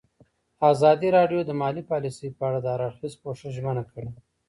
ازادي راډیو د مالي پالیسي په اړه د هر اړخیز پوښښ ژمنه کړې.